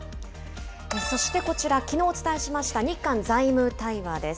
そしてこちら、きのうお伝えしました日韓財務対話です。